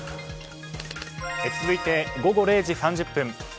続いて、午後０時３０分。